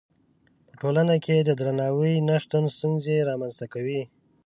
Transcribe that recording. په ټولنه کې د درناوي نه شتون ستونزې رامنځته کوي.